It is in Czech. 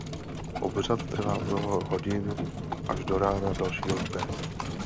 Obřad trvá mnoho hodin až do rána dalšího dne.